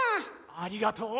ありがとう！